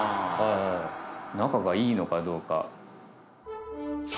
仲がいいのかどうか。